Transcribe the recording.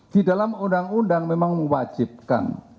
di dalam undang undang memang mewajibkan